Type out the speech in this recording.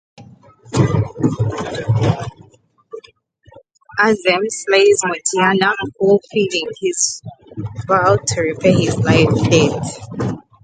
Azeem slays Mortianna, fulfilling his vow to repay his life debt.